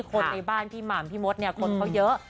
คนในบ้านพี่หม่ำพี่มดเนี่ยคนเขาเยอะ